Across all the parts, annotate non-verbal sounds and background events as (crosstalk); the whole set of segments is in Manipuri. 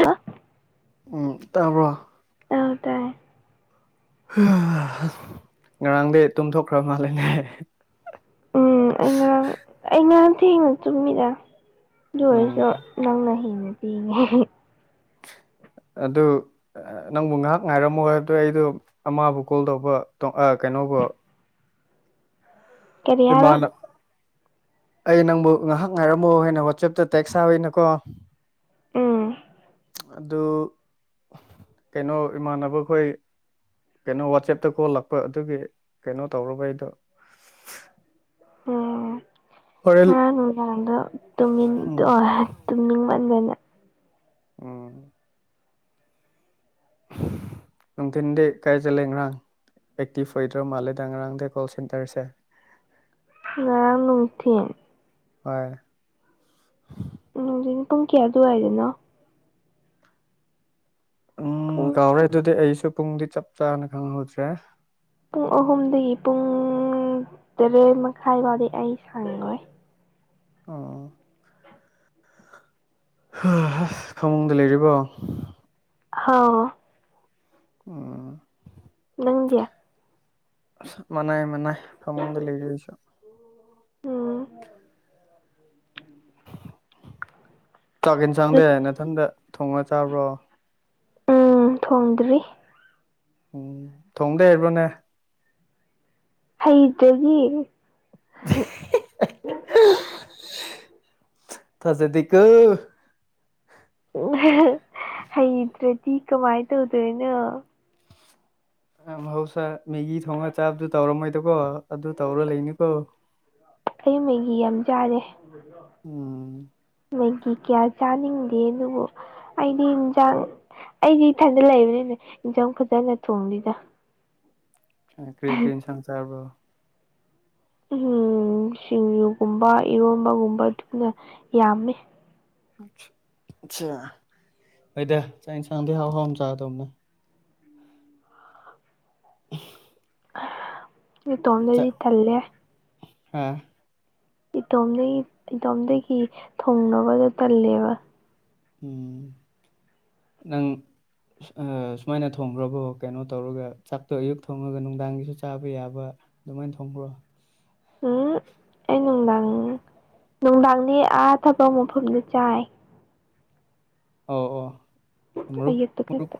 ꯍꯥ (unintelligible) ꯎꯝ ꯇꯥꯕ꯭ꯔꯣ ꯑꯧ ꯇꯥꯏ ꯉꯔꯥꯡꯗꯤ ꯇꯨꯝꯊꯣꯛꯈ꯭ꯔꯕ ꯃꯥꯜꯂꯦꯅꯦ ꯎꯝ ꯑꯩ (unintelligible) ꯉꯔꯥꯡ ꯑꯩ ꯉꯔꯥꯡ ꯊꯦꯡꯅ ꯇꯨꯝꯃꯤꯗ ꯑꯗꯨ ꯎꯝ ꯑꯣꯏꯔꯁꯨ ꯅꯪꯅ ꯍꯦꯟꯅ ꯇꯤꯡꯉꯦ ꯑꯗꯨ ꯅꯪꯕꯨ ꯉꯥꯏꯍꯥꯛ ꯉꯥꯏꯔꯝꯃꯣ ꯍꯥꯏꯕꯗꯨ ꯑꯩꯗꯣ ꯑꯃꯕꯨ ꯀꯣꯜ ꯇꯧꯕ ꯑ ꯀꯩꯅꯣꯕꯨ ꯀꯔꯤ ꯍꯥꯏꯕ ꯏꯃꯥꯅ ꯑꯩ ꯅꯪꯕꯨ ꯉꯥꯏꯍꯥꯛ ꯉꯥꯏꯔꯝꯃꯣ ꯍꯥꯏꯅ ꯋꯥꯆꯦꯞꯇ ꯇꯦꯛꯁ ꯁꯥꯋꯤꯅꯀꯣ ꯎꯝ ꯑꯗꯨ ꯀꯩꯅꯣ ꯏꯃꯥꯟꯅꯕꯈꯣꯏ ꯀꯩꯅꯣ ꯋꯥꯆꯦꯞꯇ ꯀꯣꯜ ꯂꯥꯛꯄ ꯑꯗꯨꯒꯤ ꯀꯩꯅꯣ ꯇꯧꯔꯨꯕ ꯑꯩꯗꯣ ꯎꯝ ꯍꯣꯔꯦꯟ ꯉꯔꯥꯡ ꯅꯨꯡꯗꯥꯡꯗꯣ ꯇꯨꯃꯤꯟ ꯎꯝ (unintelligible) ꯇꯨꯝꯅꯤꯡꯃꯟꯗꯅ ꯎꯝ ꯅꯨꯡꯊꯤꯟꯗꯤ ꯀꯥꯏ ꯆꯠꯂꯦ ꯉꯔꯥꯡ ꯑꯦꯛꯇꯤꯐ ꯐꯣꯏꯗ꯭ꯔꯥ ꯃꯥꯂꯦꯗ ꯉꯔꯥꯡꯗꯤ ꯀꯣꯜ ꯁꯦꯟꯇ꯭ꯔꯁꯦ ꯉꯔꯥꯡ ꯅꯨꯡꯊꯤꯟ ꯍꯣꯏ ꯅꯨꯡꯗꯤꯟ ꯄꯨꯡ ꯀꯌꯥ ꯑꯗꯨꯋꯥꯏꯗꯅꯣ ꯎꯝ ꯄꯨꯡ ꯀꯥꯎꯔꯦ ꯑꯗꯨꯗꯤ ꯑꯩꯁꯨ ꯄꯨꯡꯗꯤ ꯆꯞ ꯆꯥꯅ ꯈꯪꯍꯧꯗ꯭ꯔꯦ ꯄꯨꯡ ꯑꯍꯨꯝꯗꯒꯤ ꯄꯨꯡ ꯇꯔꯦꯠ ꯃꯈꯥꯏ ꯐꯥꯎꯗꯤ ꯑꯩ ꯁꯪꯉꯣꯏ ꯑꯣ ꯐꯃꯨꯡꯗ ꯂꯩꯔꯤꯕꯣ ꯍꯥꯎ ꯎꯝ ꯅꯪꯗꯤ ꯑꯁ ꯃꯅꯥꯏ ꯃꯅꯩ ꯐꯃꯨꯡꯗ ꯂꯩꯔꯤ ꯑꯩꯁꯨ ꯎꯝ ꯆꯥꯛ ꯏꯟꯁꯥꯡꯗꯤ ꯅꯊꯟꯗ ꯊꯣꯡꯉ ꯆꯥꯕ꯭ꯔꯣ ꯎꯝ ꯊꯣꯡꯗ꯭ꯔꯤ ꯎꯝ ꯊꯣꯡꯗꯤ ꯍꯩꯕ꯭ꯔꯣꯅꯦ ꯍꯩꯇꯗꯤ ꯊꯥꯖꯗꯦꯀꯣ ꯍꯩꯇ꯭ꯔꯗꯤ ꯀꯃꯥꯏ ꯇꯧꯗꯣꯏꯅꯣ ꯅꯪ ꯃꯍꯧꯁꯥ ꯃꯦꯒꯤ ꯊꯣꯡꯉ ꯆꯥꯕꯗꯨ ꯇꯧꯔꯝꯃꯣꯏꯗꯀꯣ ꯑꯗꯨ ꯇꯧꯔ ꯂꯩꯅꯤꯀꯣ ꯑꯩ ꯃꯦꯒꯤ ꯌꯥꯝ ꯆꯥꯔꯦ ꯎꯝ ꯃꯦꯒꯤ ꯀꯌꯥ ꯆꯥꯅꯤꯡꯗꯦ ꯑꯗꯨꯕꯨ ꯑꯩꯗꯤ ꯏꯟꯖꯥꯡ ꯑꯩꯗꯤ ꯏꯊꯟꯗ ꯂꯩꯕꯅꯤꯅ ꯏꯟꯖꯥꯡ ꯐꯖꯅ ꯊꯣꯡꯗꯤꯗ ꯀꯔꯤ ꯀꯔꯤ ꯏꯟꯁꯥꯡ ꯆꯥꯕ꯭ꯔꯣ ꯎꯝ ꯁꯤꯡꯖꯨꯒꯨꯝꯕ ꯏꯔꯣꯟꯕꯒꯨꯝꯕ ꯑꯗꯨꯅ ꯌꯥꯝꯃꯦ ꯑꯠꯆ ꯍꯣꯏꯗ ꯆꯥꯛ ꯏꯟꯁꯥꯡꯗꯤ ꯍꯥꯎ ꯍꯥꯎꯅ ꯆꯥꯗꯧꯕꯅꯦ (inaudible) ꯏꯇꯣꯝꯗꯗꯤ ꯊꯜꯂꯦ ꯑ ꯏꯇꯣꯝꯗꯒꯤ ꯏꯇꯣꯝꯗꯒꯤ ꯊꯣꯡꯅꯕꯗꯣ ꯇꯜꯂꯦꯕ ꯎꯝ ꯅꯪ ꯑ ꯁꯨꯃꯥꯏꯅ ꯊꯣꯡꯒ꯭ꯔꯕ ꯀꯩꯅꯣ ꯇꯧꯔꯒ ꯆꯥꯛꯇꯣ ꯑꯌꯨꯛ ꯊꯣꯡꯉꯒ ꯅꯨꯡꯗꯥꯡꯒꯤꯁꯨ ꯆꯥꯕ ꯌꯥꯕ ꯑꯗꯨꯃꯥꯏ ꯊꯣꯡꯕ꯭ꯔꯣ ꯎꯝ ꯑꯩ ꯅꯨꯡꯗꯥꯡ ꯅꯨꯡꯗꯥꯡꯗꯤ ꯑꯥ ꯊꯕꯛ ꯃꯐꯝꯗ ꯆꯥꯏ ꯑꯣ ꯑꯣ ꯃꯔꯨꯞ ꯑꯌꯨꯛꯇ ꯃꯔ ꯈꯛꯇ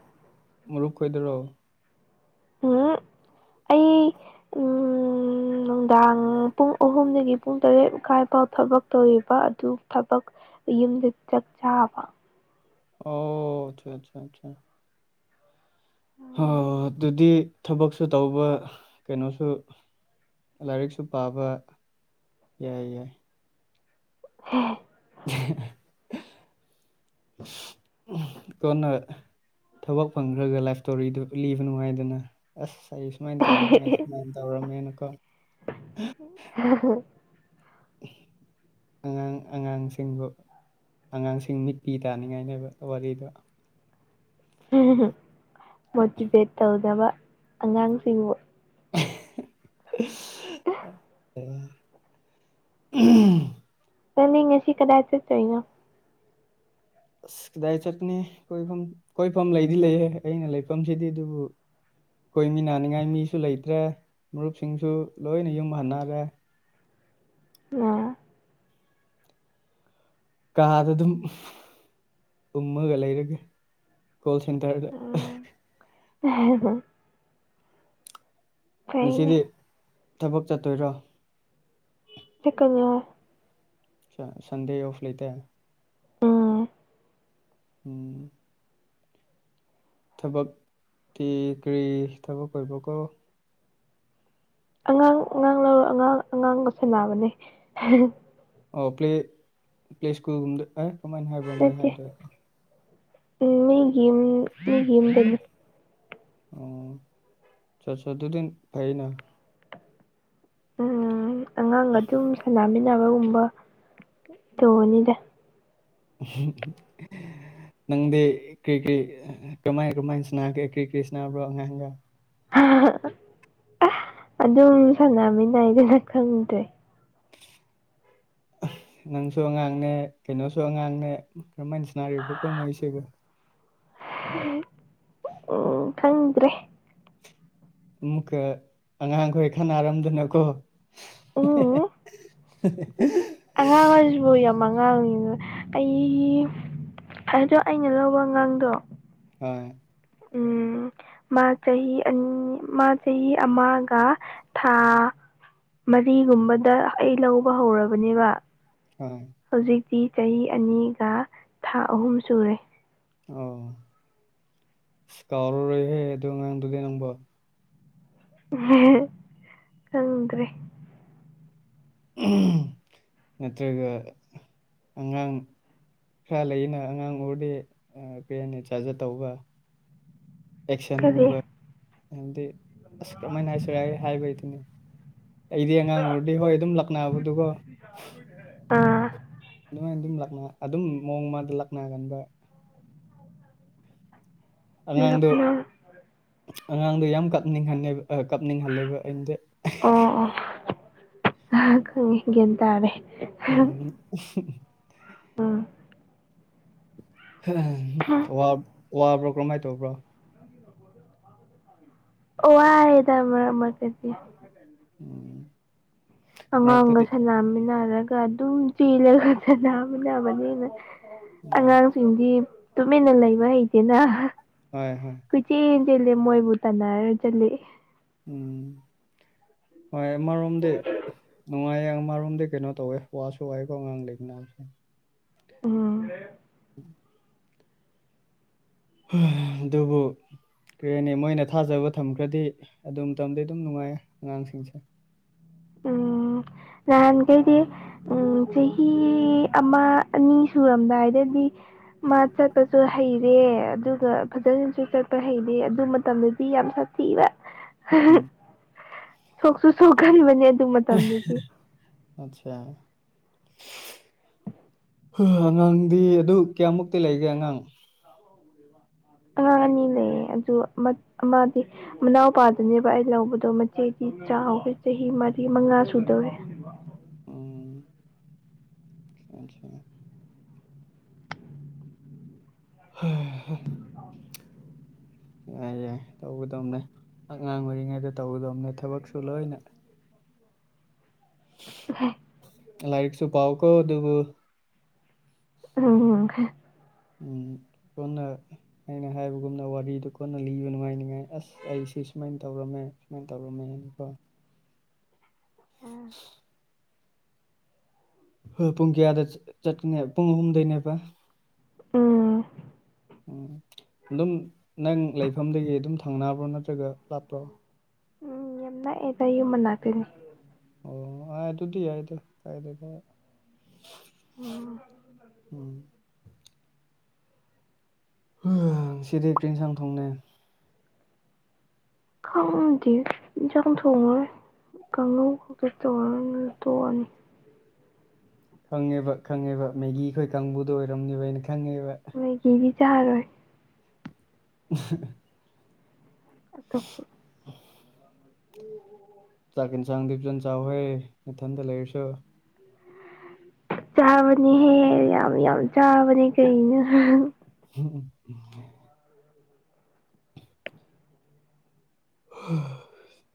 ꯃꯔꯨꯞ ꯀꯣꯏꯗꯣꯏꯔꯣ ꯎꯝ ꯑꯩ ꯎꯝ (inaudible) ꯅꯨꯡꯗꯥꯡ ꯄꯨꯡ ꯑꯍꯨꯝꯗꯒꯤ ꯄꯨꯡ ꯇꯔꯦꯠ ꯃꯈꯥꯏ ꯐꯥꯎ ꯊꯕꯛ ꯇꯧꯔꯤꯕ ꯑꯗꯨ ꯊꯕꯛ ꯌꯨꯝꯗ ꯆꯥꯛ ꯆꯥꯕ ꯑꯣ ꯑꯆꯥ ꯑꯆꯥ ꯑꯆꯥ ꯑꯗꯨꯗꯤ ꯊꯕꯛꯁꯨ ꯇꯧꯕ ꯀꯩꯅꯣꯁꯨ ꯂꯥꯏꯔꯤꯛꯁꯨ ꯄꯥꯕ ꯌꯥꯏ ꯌꯥꯏ (unintelligible) (inaudible) ꯀꯣꯟꯅ ꯊꯕꯛ ꯐꯪꯈ꯭ꯔꯒ ꯂꯥꯏꯐ ꯁ꯭ꯇꯣꯔꯤꯗꯨ ꯂꯤꯕ ꯅꯨꯡꯉꯥꯏꯗꯅ ꯑꯁ ꯑꯩ ꯁꯨꯃꯥꯏꯅ ꯇꯧꯔꯝꯃꯦ ꯁꯨꯃꯥꯏꯅ ꯇꯧꯔꯝꯃꯦꯅꯀꯣ (unintelligible) (inaudible) ꯑꯉꯥꯡ ꯑꯉꯥꯡꯁꯤꯡꯕꯨ ꯑꯉꯥꯡꯁꯤꯡ ꯃꯤꯠ ꯄꯤ ꯇꯥꯅꯤꯡꯉꯥꯏꯅꯦꯕ ꯋꯥꯔꯤꯗꯣ ꯃꯣꯇꯤꯚꯦꯠ ꯇꯧꯗꯕ ꯑꯉꯥꯡꯁꯤꯡꯕꯨ (inaudible) ꯅꯪꯗꯤ ꯉꯁꯤ ꯀꯗꯥꯏ ꯆꯠꯇꫭꯏꯅꫭ ꯑꯁ ꯀꯗꯥꯏ ꯆꯠꯀꯅꯤ ꯀꯣꯏꯐꯝ ꯀꯣꯏꯐꯝ ꯂꯩꯗꯤ ꯂꯩꯑꯦ ꯑꯩꯅ ꯂꯩꯐꯝꯁꯤꯗꯤ ꯑꯗꯨꯕꯨ ꯀꫭꯏꯃꯤꯟꯅꯅꯤꯡꯉꯥꯏ ꯃꯤꯁꯨ ꯂꯩꯇ꯭ꯔꯦ ꯃꯔꯨꯞꯁꯤꯡꯁꯨ ꯂꯣꯏꯅ ꯌꯨꯝ ꯍꯟꯅꯒ꯭ꯔꯦ ꯑꯣ ꯀꯥꯗ ꯑꯗꯨꯝ ꯎꯝꯃꯒ ꯂꯩꯔꯒꯦ ꯀꯣꯜ ꯁꯦꯟꯇꯔꯗ (unintelligible) ꯐꯩꯅꯦ ꯉꯁꯤꯗꯤ ꯊꯕꯛ ꯆꯠꯇꯣꯏꯔꯣ ꯆꯠꯀꯅꯤ ꯍꫭꯏ ꯁꯟꯗꯦ ꯑꯣꯐ ꯂꯩꯇꯦ ꯎꯝ ꯎꯝ ꯊꯕꯛꯇꯤ ꯀꯔꯤ ꯊꯕꯛ ꯑꯣꯏꯕ꯭ꯔ ꯀꯣ ꯑꯉꯥꯡ ꯑꯉꯥꯡ ꯂꯧꯔ ꯑꯉꯥꯡ ꯑꯉꯥꯡꯒ ꯁꯦꯟꯅꯕꯅꯦ ꯑꯣ ꯄ꯭ꯂꯦ ꯄ꯭ꯂꯦ ꯁ꯭ꯀꯨꯜꯒꯨꯝꯕꯗ ꯀꯃꯥꯏꯅ ꯍꯥꯏ ꯅꯠꯇꯦ ꯎꯝ ꯃꯤꯒꯤ ꯌꯨꯝ ꯃꯤꯒꯤ ꯌꯨꯝꯗꯅꯦ ꯑꯣ (unintelligible) ꯑꯗꯨꯗꯤꯟ ꯐꯩꯅ ꯎꯝ ꯑꯉꯥꯡ ꯑꯗꯨꯝ ꯁꯥꯟꯅꯃꯤꯟꯅꯕꯒꯨꯝꯕ ꯇꯧꯕꯅꯤꯗ (unintelligible) ꯅꯪꯗꯤ ꯀꯔꯤ ꯀꯔꯤ ꯀ꯭ꯔꯃꯥꯏ ꯀ꯭ꯔꯃꯥꯏꯅ ꯁꯅꯒꯦ ꯀ꯭ꯔꯤ ꯀ꯭ꯔꯤ ꯁꯅꯥꯅꯕ꯭ꯔꯣ ꯑꯉꯥꯡꯒ ꯑꯗꯨꯝ ꯁꯥꯟꯅꯃꯤꯅꯩꯗ ꯈꯪꯗꯦ ꯅꯪꯁꯨ ꯑꯉꯥꯡꯅꯦ ꯀꯩꯅꯣꯁꯨ ꯑꯉꯥꯡꯅꯦ ꯀ꯭ꯔꯃꯥꯏꯅ ꯁꯥꯟꯅꯔꯤꯕꯣ (unintelligible) ꯎꯝ ꯐꯪꯗ꯭ꯔꯦ ꯑꯃꯨꯛꯀ ꯑꯉꯥꯡꯈꯣꯏ ꯈꯥꯟꯅꯔꯝꯗꯅꯀꯣ ꯎꯝ (unintelligible) ꯑꯉꯥꯡ ꯍꯥꯏꯁꯤꯕꯨ ꯌꯥꯝ ꯑꯉꯥꯡꯅꯤꯅ ꯑꯩ ꯑꯗꯣ ꯑꯩꯅ ꯂꯧꯕ ꯑꯉꯥꯡꯗꯣ ꯍꫭꯏ ꯎꯝ ꯃꯥ ꯆꯍꯤ ꯑꯅꯤ ꯃꯥ ꯆꯍꯤ ꯑꯃꯒ ꯊꯥ ꯃꯔꯤꯒꯨꯝꯕꯗ ꯑꯩ ꯂꯧꯕ ꯍꯧꯔꯕꯅꯦꯕ ꯍꯥ ꯍꯧꯖꯤꯛꯇꯤ ꯆꯍꯤ ꯑꯅꯤꯒ ꯊꯥ ꯑꯍꯨꯝ ꯁꯨꯔꯦ꯫ ꯑꯣ ꯁ ꯀꯥꯎꯔꯔꯣꯏꯍꯦ ꯑꯗꯨ ꯑꯉꯥꯡꯗꯨꯗꯤ ꯅꯪꯕꫭ ꯈꯪꯗ꯭ꯔꯦ꯫ ꯎꯝ ꯅꯠꯇ꯭ꯔꯒ ꯑꯉꯥꯡ ꯈꯔ ꯂꯩꯌꯦꯅ ꯑꯉꯥꯡ ꯑꯣꯏꯔꯗꯤ ꯑꯥ ꯄꯦꯅꯦ ꯆꯥꯖ꯭ꯔ ꯇꯧꯕ꯫ ꯀꯔꯤ ꯑꯦꯛꯁꯟꯒꯨꯝꯕ ꯍꯥꯏꯗꯤ ꯑꯁ ꯀꯔꯝꯃꯥꯏꯅ ꯍꯥꯏꯁꯤꯔꯦ ꯑꯩ ꯍꯥꯏꯕ ꯍꯩꯇꯦꯅꯦ ꯑꯩꯗꯤ ꯑꯉꯥꯡ ꯑꯣꯏꯔꯗꯤ ꯍꯣꯏ ꯑꯗꯨꯝ ꯂꯥꯛꯅꯕꯗꯨꯒꫭ ꯑꯥ ꯑꯗꯨꯃꯥꯏꯅ ꯑꯗꯨꯝ ꯂꯥꯛꯅ ꯑꯗꯨꯝ ꯃꯣꯡꯃꯗꯥ ꯂꯥꯛꯅꯒꯟꯕ ꯑꯉꯥꯡꯗꯣ ꯂꯛꯅꯧ ꯑꯉꯥꯡꯗꯣ ꯌꯥꯝ ꯀꯞꯅꯤꯡꯍꯜꯅꯦꯕ ꯀꯞꯅꯤꯡꯍꯜꯂꯦꯕ ꯑꯦꯟꯗꯦ ꯑꯣ ꯑꯣ ꯑ ꯈꯪꯉꯦ ꯒꯤꯌꯥꯟ ꯇꯥꯔꯦ꯫ ꯎꯝ꯫ ꯎꯝ꯫ ꯋꯥ ꯋꯥꯕ꯭ꯔꯣ ꯀꯔꯝꯃꯥꯏ ꯇꯧꯕ꯭ꯔꯥ ꯑꫭ ꯋꯥꯏꯗ ꯃꯔꯛ ꯃꯔꯛ ꯇꯥꯗꯤ꯫ ꯎꯝ꯫ ꯑꯉꯥꯡꯒ ꯃꯔꯛꯇꯗꯤ ꯁꯥꯟꯅꯃꯤꯟꯅꯔꯒ ꯑꯗꯨꯝ ꯆꯦꯜꯂꯒ ꯁꯥꯟꯅꯃꯤꯟꯅꯕꯅꯤꯅ ꯎꯝ ꯑꯉꯥꯡꯁꯤꯡꯗꯤ ꯇꯨꯃꯤꯟꯅ ꯂꯩꯕ ꯍꯩꯇꯦꯅ ꯍꯣꯏ ꯍꯣꯏ ꯀꯨꯏ ꯆꯦꯟ ꯆꯦꯜꯂꯦ ꯃꯣꯏꯕꯨ ꯇꯥꯟꯅꯔ ꯆꯠꯂꯦ ꯎꯝ ꯍꯣꯏ ꯑꯃꯔꯣꯝꯗꯤ ꯅꯨꯡꯉꯥꯏꯌꯦ ꯑꯃꯔꯣꯝꯗꯤ ꯀꯩꯅꯣ ꯇꯧꯋꯦ ꯋꯥꯁꯨ ꯋꯥꯏꯦꯀꯣ ꯑꯉꯥꯡ ꯂꯩꯃꯤꯟꯅꯕꯁꯦ꯫ ꯎꯝ꯫ ꯑꯗꯨꯕꯨ ꯀ꯭ꯩꯔꯦꯅꯦ ꯃꯣꯏꯅ ꯊꯥꯖꯕ ꯊꯝꯈ꯭ꯔꯗꯤ ꯑꯗꯨꯝ ꯇꯝꯗꯤ ꯑꯗꯨꯝ ꯅꯨꯡꯉꯥꯏꯌꯦ ꯑꯉꯥꯡꯁꯤꯡꯁꯦ ꯎꯝ ꯅꯍꯥꯟꯈꯩꯗꯤ ꯎꯝ ꯆꯍꯤ ꯑꯃꯥ ꯑꯅꯤ ꯁꯨꯔꯝꯗꯥꯏꯗꯗꯤ ꯃꯥ ꯆꯠꯄꯁꯨ ꯍꯩꯔꯦ ꯑꯗꯨꯒ ꯐꯖꯅꯁꯨ ꯆꯠꯄ ꯍꯩꯔꯦ ꯑꯗꯨ ꯃꯇꯝꯗ ꯗꯤ ꯌꯥꯝ ꯁꯥꯊꯤꯕ ꯎꯝ꯫ ꯁꯣꯛꯁꯨ ꯁꯣꯛꯀꯟꯕꯅꯦ ꯑꯗꯨ ꯃꯇꯝꯗꯗꯤ (inaudible) ꯑꯠꯆꯥ ꯑꯉꯥꯡꯗꯤ ꯑꯗꯨ ꯀꯌꯥꯃꯨꯛꯇꯤ ꯂꯩꯒꯦ ꯑꯉꯥꯡ (unintelligible) ꯑꯉꯥꯡ ꯑꯅꯤ ꯂꯩꯌꯦ ꯑꯗꯨ ꯑꯃ ꯑꯃꯗꯤ ꯃꯅꯥꯎꯄꯥꯗꯨꯅꯦꯕ ꯑꯩ ꯂꯧꯕꯗꯣ ꯃꯆꯦꯗꯤ ꯆꯥꯎꯋꯦ ꯆꯍꯤ ꯃꯔꯤ ꯃꯉꯥ ꯁꯨꯗꯧꯔꯦ꯫ ꯎꯝ (unintelligible) ꯍꯩ ꯍꯦ ꯌꯥꯏ ꯌꯥꯏ ꯇꯧꯒꯗꯧꯅꯦ ꯑꯉꯥꯡ ꯑꯣꯏꯔꯤꯉꯩꯗ ꯇꯧꯒꯗꯧꯅꯦ ꯊꯕꯛꯁꯨ ꯂꯣꯏꯅ ꯎꯍꯦ ꯂꯥꯏꯔꯤꯛꯁꯨ ꯄꯥꯎꯀꯣ ꯑꯗꯨꯕꯨ (inaudible) ꯎꯝ (unintelligible) ꯑꯩꯅ ꯍꯥꯏꯕꯒꯨꯝꯅ ꯋꯥꯔꯤꯗꯨ ꯀꯣꯟꯅ ꯂꯤꯕ ꯅꯨꯡꯉꯥꯏ ꯅꯤꯉꯥꯏ ꯑꯁ ꯑꯩꯁꯤ ꯁꯨꯃꯥꯏꯅ ꯇꯧꯔꯝꯃꯦ ꯁꯨꯃꯥꯏꯅ ꯇꯧꯔꯝꯃꯦꯅ ꯍꯥꯏꯅꯀꯣ ꯎꯝ ꯍꯣꯏ ꯄꯨꯡ ꯀꯌꯥꯗ ꯆꯠꯀꯅꯦ ꯄꯨꯡ ꯑꯍꯨꯝꯗꯩꯅꯦꯕ ꯀꯣ ꯎꯝ ꯎꯝ ꯑꯗꯨꯝ ꯅꯪ ꯂꯩꯐꯝꯗꯒꯤ ꯑꯗꯨꯝ ꯊꯪꯅꯕ꯭ꯔꯣ ꯅꯠꯇ꯭ꯔꯒ ꯂꯥꯞꯄ꯭ꯔꯣ ꯎꯝ ꯌꯥꯝ ꯅꯛꯑꯦꯗ ꯌꯨꯝ ꯃꯅꯥꯛꯇꯅꯤ ꯑꯣ ꯑꯗꯨꯗꯤ ꯌꯥꯏꯗ ꯀꯥꯏꯗꯦꯗ ꯎꯝ ꯎꯝ ꯎꯝ ꯉꯁꯤꯗꯤ ꯀꯔꯤ ꯌꯦꯟꯁꯥꯡ ꯊꯣꯡꯉꯤ ꯈꯡꯗꯦ ꯌꯦꯟꯁꯥꯡ ꯊꯣꯡꯉꯔꯣꯏ ꯀꯥꯡꯉꯧ ꯈꯛꯇ ꯇꯧꯔ ꯇꯣꯛꯑꯅꯤ ꯈꯪꯉꯦꯕ ꯈꯪꯉꯦꯕ ꯃꯦꯒꯤ ꯈꯣꯏ ꯀꯥꯡꯕꯨꯗꯣ ꯑꯣꯏꯔꯝꯅꯦꯕ ꯑꯩꯅ ꯈꯪꯉꯦꯕ ꯃꯦꯒꯤꯗꯤ ꯆꯥꯔꯣꯏ (unintelligible) ꯑꯇꯣꯞꯄ ꯆꯥꯛ ꯌꯦꯟꯁꯥꯡꯗꯤ ꯐꯖꯅ ꯆꯥꯎꯍꯦ ꯅꯊꯟꯗ ꯂꯩꯔꯁꯨ ꯆꯥꯕꯅꯦꯍꯦ ꯌꯥꯝ ꯌꯥꯝ ꯆꯥꯕꯅꯦ ꯀꯩꯅꯣ ꯎꯝ ꯎꯝ (inaudible)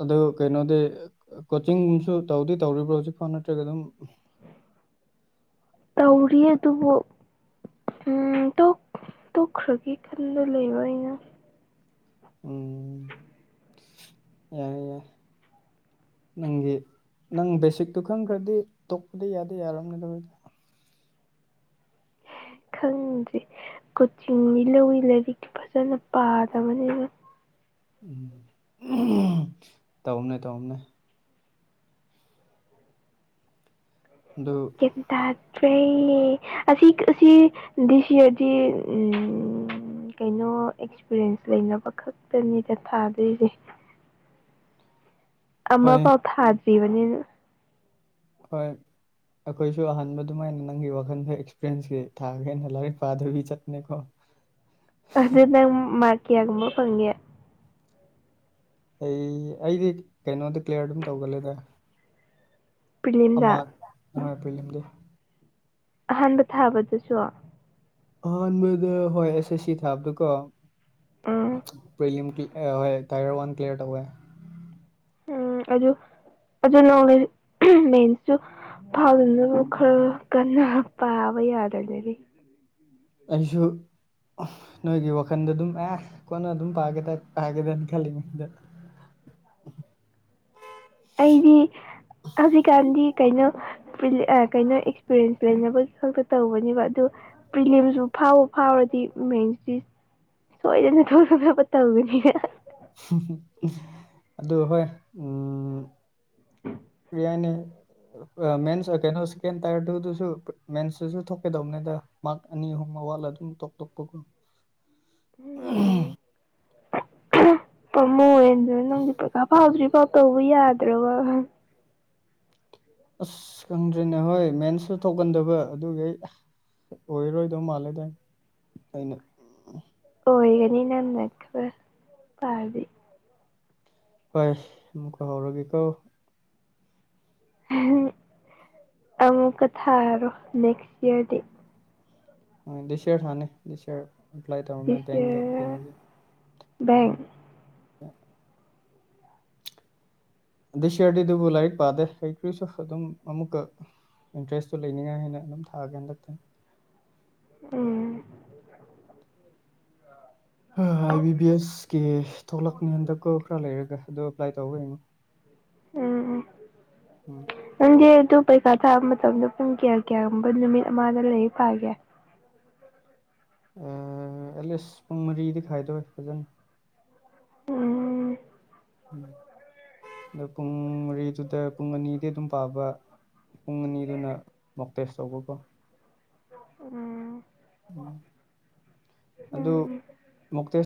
ꯑꯗꯣ ꯀꯩꯅꯣꯗꯤ ꯀꯣꯆꯤꯡꯒꯨꯝꯁꯨ ꯇꯧꯗꯤ ꯇꯧꯔꯤꯕ꯭ꯔꯣ ꯍꯧꯖꯤꯛꯐꯥꯎ ꯅꯠꯇ꯭ꯔꯒ ꯑꯗꯨꯝ ꯇꯧꯔꯤꯌꯦ ꯑꯗꯨꯕꯨ ꯎꯝ ꯇꯣꯛ ꯇꯣꯛꯈ꯭ꯔꯒꯦ ꯈꯟꯂ ꯂꯩꯕ ꯑꯩꯅ ꯎꯝ ꯌꯥꯏ ꯌꯥꯏ ꯅꯪꯒꯤ ꯅꯪ ꯕꯦꯁꯤꯛꯇꯨ ꯈꯪꯈ꯭ꯔꯗꯤ ꯇꯣꯛꯄꯗꯤ ꯌꯥꯗꯤ ꯌꯥꯔꯕꯅꯤꯗ ꯈꯪꯗꯦ ꯀꯣꯆꯤꯡꯗꯤ ꯂꯣꯏ ꯂꯥꯏꯔꯤꯛꯇꯨ ꯐꯖꯅ ꯄꯥꯗꯕꯅꯤꯅ ꯎꯝ ꯇꯧꯕꯅꯦ ꯇꯧꯕꯅꯦ ꯑꯗꯨ ꯒꯌ꯭ꯥꯟ ꯇꯥ ꯈ꯭ꯔꯦ ꯑꯁꯤ ꯑꯁꯤ ꯗꯤꯁꯤ (unintelligible) ꯎꯝ ꯎꯝ ꯀꯩꯅꯣ ꯑꯦꯛꯁꯄꯤꯔꯤꯌꯦꯟꯁ ꯂꯩꯅꯕ ꯈꯛꯇꯅꯤꯗ ꯊꯥꯗꯣꯏꯁꯦ (inaudible) ꯑꯃꯐꯥꯎ ꯊꯥꯗ꯭ꯔꯤꯕꯅꯤꯅ ꯍꯣꯏ ꯑꯩꯈꯣꯏꯁꯨ ꯑꯍꯥꯟꯕ ꯑꯗꯨꯃꯥꯏꯅ ꯅꯪꯒꯤ ꯋꯥꯈꯟꯗ ꯑꯦꯛꯁꯄꯤꯔꯤꯌꯦꯟꯁꯀꯤ ꯊꯥꯒꯦꯅ ꯂꯥꯏꯔꯤꯛ ꯄꯥꯗꯕꯤ ꯆꯠꯄꯅꯦ ꯀꯣ (unintelligible) ꯑꯗꯨ ꯅꯪ ꯃꯥꯔꯛ ꯀꯌꯥꯒꯨꯝꯕ ꯐꯪꯅꯤ ꯑꯩ ꯑꯩꯗꯤ ꯀꯩꯅꯣꯗ ꯀ꯭ꯂꯌꯥꯔ ꯑꯗꯨꯝ ꯇꯧꯒꯜꯂꯦꯗ ꯄ꯭ꯔꯤꯂꯤꯝꯗ ꯑꯥ ꯍꯣꯏ ꯄ꯭ꯔꯤꯂꯤꯝꯗꯣ ꯑꯍꯥꯟꯕ ꯊꯥꯕꯗꯨꯁꯨ ꯑꯍꯥꯟꯕꯗ ꯍꯣꯏ ꯑꯦꯁ ꯑꯦꯁ ꯁꯤ ꯊꯥꯕꯗꯣꯀꯣ ꯎꯝ ꯄ꯭ꯔꯤꯂꯤꯝꯒꯤ ꯑꯦ ꯍꯣꯏ ꯇꯥꯏꯌꯔ ꯋꯥꯟ ꯀ꯭ꯂꯤꯌꯥꯔ ꯇꯧꯋꯦ ꯎꯝ ꯑꯗꯨ ꯑꯗꯨ ꯅꯣꯡꯂꯦ ꯃꯟꯁꯁꯨ ꯐꯥꯎꯅꯕ ꯈꯔ ꯀꯟꯅ ꯄꯥꯕ ꯌꯥꯗꯅꯦꯗꯤ ꯑꯩꯁꯨ ꯅꯣꯏꯒꯤ ꯋꯥꯈꯟꯗ ꯑꯗꯨꯝ ꯑꯦ ꯀꯣꯟꯅ ꯑꯗꯨꯝ ꯄꯥꯒꯦ ꯄꯥꯒꯦꯗꯅ ꯈꯜꯂꯤꯉꯩꯗ ꯑꯩꯗꯤ ꯍꯧꯖꯤꯛꯀꯥꯟꯗꯤ ꯀꯩꯅꯣ ꯀꯩꯅꯣ ꯑꯦꯛꯁꯄꯤꯔꯤꯌꯦꯟꯁ ꯂꯩꯅꯕꯒꯤ ꯈꯛꯇ ꯇꯧꯕꯅꯦꯕ ꯑꯗꯨ ꯄ꯭ꯔꯤꯂꯤꯌꯝꯁꯨ ꯐꯥꯎꯕ ꯐꯥꯎꯔꯗꯤ ꯃꯦꯟꯁꯤꯗꯤ ꯁꯣꯏꯗꯅ ꯊꯣꯛꯂꯛꯅꯕ ꯇꯧꯗꯨꯅꯤꯅ (unintelligible) ꯑꯗꯨ ꯍꯣꯏ ꯎꯝ ꯀꯩ ꯀꯩꯅꯣ (unintelligible) ꯇꯁꯨ ꯃꯦꯟꯁꯇꯁꯨ ꯊꯣꯛꯀꯗꯧꯕꯅꯤꯗ ꯃꯥꯛ ꯑꯅꯤ ꯑꯍꯨꯝ ꯑꯋꯥꯠꯂ ꯑꯗꯨꯝ ꯇꯣꯞ ꯇꯣꯞꯄꯒꯨꯝ ꯎꯝ ꯄꯃꯨ (unintelligible) ꯍꯦꯟꯗ ꯅꯪꯗꯤ ꯄꯩꯀꯥ ꯐꯥꯎꯗ꯭ꯔꯤ ꯄ ꯇꯧꯕ ꯌꯥꯗ꯭ꯔꯣꯕ ꯑꯁ ꯈꯪꯗ꯭ꯔꯦꯅꯦ ꯍꯣꯏ ꯃꯦꯟꯁꯁꯨ ꯊꯣꯛꯀꯟꯗꯕ ꯑꯗꯨꯒꯤ ꯑꯩ ꯑꯣꯏꯔꯔꯣꯏꯗꯧ ꯃꯥꯜꯂꯦꯗ ꯑꯩꯅ ꯑꯣꯏꯒꯅꯤ ꯅꯪꯅ ꯈꯔꯥ ꯄꯥꯔꯗꯤ ꯍꯣꯏ ꯑꯃꯨꯛꯀ ꯍꯧꯔꯒꯦꯀꯣ ꯑꯃꯨꯛꯀ ꯊꯥꯔꯣ ꯅꯦꯛꯁ ꯏꯌꯥꯔꯗꯤ ꯗꯤꯁꯔ ꯍꯅꯦ ꯗꯤꯔ꯭ꯂꯥꯏ ꯇ ꯗꯤꯁ ꯏꯌꯔ (unintelligible) ꯕꯦꯡ ꯑ (unintelligible) ꯑꯗꯩ ꯁꯤꯔꯗꯤ (unintelligible) ꯑꯗꯨꯕꯨ ꯂꯥꯏꯔꯤꯛ ꯄꯥꯗꯦ ꯍꯩꯈ꯭ꯔꯤꯁꯨ ꯑꯗꯨꯝ ꯑꯃꯨꯛꯀ ꯏꯟꯇꯔꯦꯁꯇꯨ ꯂꯩꯅꯤꯡꯅꯤꯉꯥꯏ ꯍꯥꯏꯅ ꯑꯗꯨꯝ ꯊꯥꯒꯦ ꯍꯟꯗꯛꯇꯤ ꯎꯝ ꯑꯥꯏ ꯕꯤ ꯕꯤ ꯑꯦꯁ ꯀ ꯊꯣꯛꯂꯛꯅꯤ ꯍꯟꯗꯛꯀ ꯈꯔ ꯂꯩꯔꯒ ꯑꯗꯨ ꯑꯦꯄ꯭ꯂꯥꯏ ꯇꯧꯕ ꯌ‌ꯦꯡꯉꯨ ꯎꯝ ꯎꯝ ꯎꯝ ꯅꯪꯗꯤ ꯑꯗꯨ ꯄꯩꯈꯔꯥ ꯊꯥꯕ ꯃꯇꯝꯗ ꯄꯨꯡ ꯀꯌꯥ ꯀꯌꯥꯒꯨꯝꯕ ꯅꯨꯃꯤꯠ ꯑꯃꯗ ꯂꯥꯏꯔꯤꯛ ꯄꯒ‌ ꯎꯝ ꯑꯦꯠꯂꯤꯁ ꯄꯨꯡ ꯃꯔꯤꯗꯤ ꯈꯥꯏꯗꯣꯛꯑ‌ꯦ ꯐꯖꯅ ꯎꯝ ꯎꯝ ꯑꯗꯣ ꯄꯨꯡ ꯃꯔꯤꯗꯨꯗ ꯄꯨꯡ ꯑꯅꯤꯗꯤ ꯑꯗꯨꯝ ꯄꯥꯕ ꯄꯨꯡ ꯑꯅꯤꯗꯨꯅ ꯃꯣꯛꯇꯦꯁ ꯇꯧꯕꯀꯣ ꯎꯝ ꯎꯝ ꯑꯗꯨ ꯎꯝ ꯃꯨꯛꯇ‌ꯦꯁ